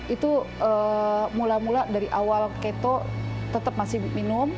itu mula mula dari awal keto tetap masih minum